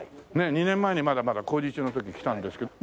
２年前にまだまだ工事中の時来たんですけど。